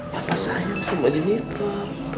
papa sayang sama jeniper